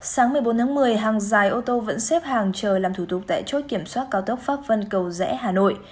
sáng một mươi bốn tháng một mươi hàng dài ô tô vẫn xếp hàng chờ làm thủ tục tại chốt kiểm soát cao tốc pháp vân cầu rẽ hà nội